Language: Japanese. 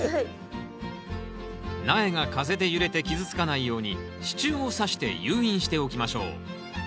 苗が風で揺れて傷つかないように支柱をさして誘引しておきましょう。